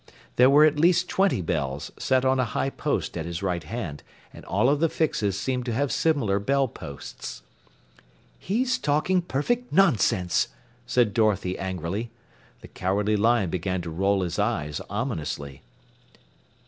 There were at least twenty bells set on a high post at his right hand, and all of the Fixes seemed to have similar bell posts. "He's talking perfect nonsense," said Dorothy angrily. The Cowardly Lion began to roll his eyes ominously.